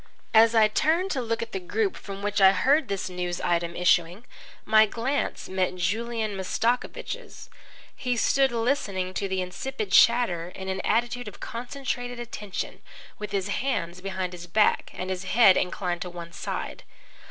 As I turned to look at the group from which I heard this news item issuing, my glance met Julian Mastakovich's. He stood listening to the insipid chatter in an attitude of concentrated attention, with his hands behind his back and his head inclined to one side.